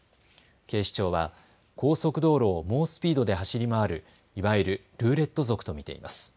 警視庁は高速道路を猛スピードで走り回るいわゆるルーレット族と見ています。